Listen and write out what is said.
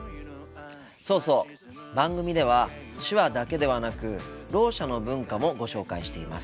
そうそう番組では手話だけではなくろう者の文化もご紹介しています。